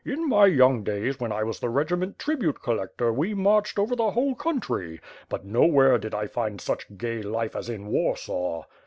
In my young days when I was the regiment tribute collector we marched over the whole coun try; but nowhere did I find such gay life as in Warsaw."